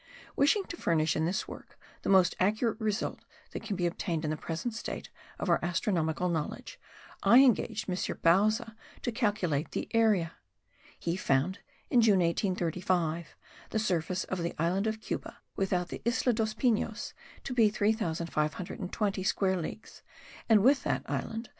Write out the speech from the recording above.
Wishing to furnish in this work the most accurate result that can be obtained in the present state of our astronomical knowledge, I engaged M. Bauza to calculate the area. He found, in June, 1835, the surface of the island of Cuba, without the Isla dos Pinos, to be 3520 square sea leagues, and with that island 3615.